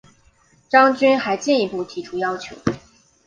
张军还进一步提出要求